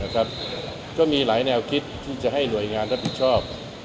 ก็มีหลายแนวคิดที่จะให้หน่วยงานรับผิดชอบ